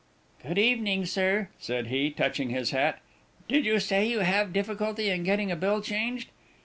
"Good evening, sir," said he, touching his hat, "did you say you have difficulty in getting a bill changed?"